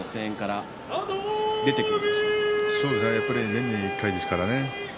年に１回ですからね。